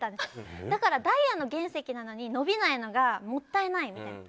だからダイヤの原石なのに伸びないのがもったいないみたいな。